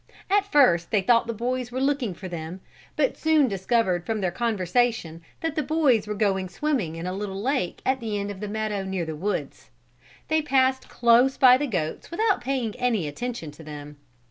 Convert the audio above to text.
At first they thought the boys were looking for them; but soon discovered from their conversation that the boys were going swimming in a little lake at the end of the meadow near the woods. They passed close by the goats without paying any attention to them.